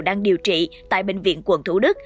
đang điều trị tại bệnh viện quận thủ đức